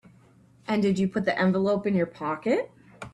And did you put the envelope in your pocket?